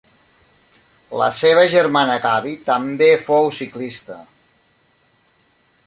La seva germana Gabi també fou ciclista.